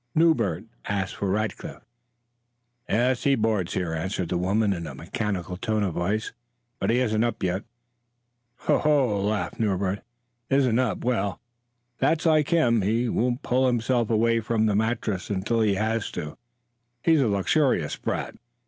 Newbert asked for Rackliff. "Yes, he boards here," answered the woman in a mechanical tone of voice; "but he isn't up yet." "Ho, ho!" laughed Newbert. "Isn't up? Well, that's like him; won't pull himself away from the mattress until he has to. He's a luxurious brat."